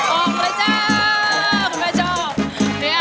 ออกเลยจ้าแม่ชอบ